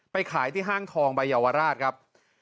ขายที่ห้างทองใบเยาวราชครับ